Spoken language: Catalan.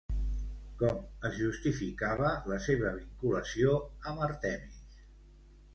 Com es justificava la seva vinculació amb Àrtemis?